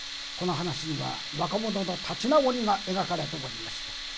この噺には若者の立ち直りが描かれておりまして。